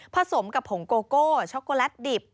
สมกับผงโกโก้ช็อกโกแลตดิบ